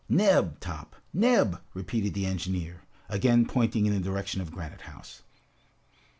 "Neb, Top! Neb!" repeated the engineer, again pointing in the direction of Granite House.